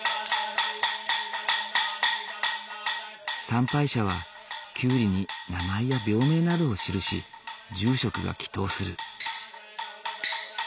参拝者はキュウリに名前や病名などを記し住職が祈とうする。